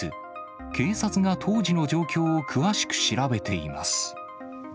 警察が当時の状況を詳しく調べています。